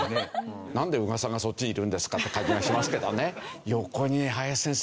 なんで宇賀さんがそっちいるんですかって感じがしますけどね。